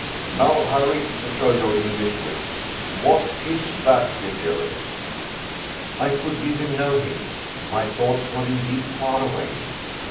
Now, Harry, to show your English wit what is that figure?" I could give him no hint. My thoughts were indeed far away.